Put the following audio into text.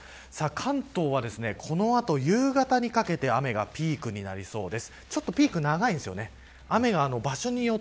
関東はこの後夕方にかけて雨がピークになりそうです。